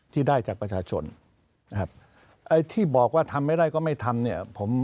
ที่ได้จากประชาชนที่บอกว่าทำไม่ได้ก็ไม่ทำ